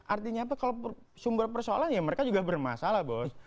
artinya apa kalau sumber persoalan ya mereka juga bermasalah bos